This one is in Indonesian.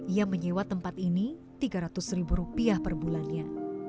ia menyewa tempat ini tiga ratus ribu rupiah per bulannya